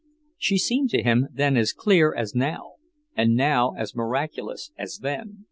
She seemed to him then as clear as now, and now as miraculous as then.